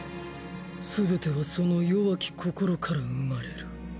すべてはその弱き心から生まれる。